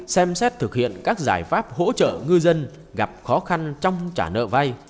xem xét thực hiện các giải pháp hỗ trợ ngư dân gặp khó khăn trong trả nợ vay